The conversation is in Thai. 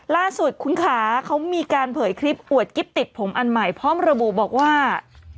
ล่าสุดคุณขาเขามีการเผยคลิปอวดกิ๊บติดผมอันใหม่พร้อมระบุบอกว่า